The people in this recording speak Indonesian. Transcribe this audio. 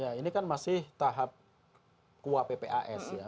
ya ini kan masih tahap kuap ppas ya